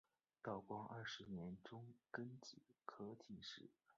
道光二十年中庚子科进士。